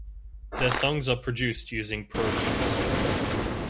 Their songs are produced using Pro Tools.